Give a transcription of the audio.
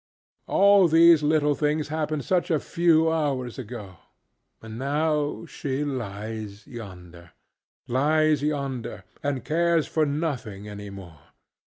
All these little things happened such a few hours agoŌĆöand now she lies yonder. Lies yonder, and cares for nothing any more.